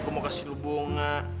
gue mau kasih lo bunga